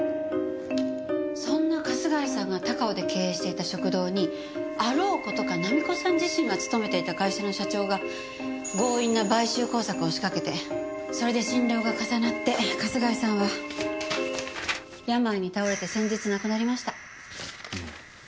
そんな春日井さんが高尾で経営していた食堂にあろう事か菜実子さん自身が勤めていた会社の社長が強引な買収工作を仕掛けてそれで心労が重なって春日井さんは病に倒れて先日亡くなりました。